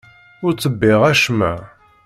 Ur ttebbiɣ acemma.